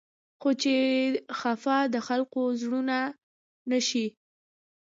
خو چې خفه د خلقو زړونه نه شي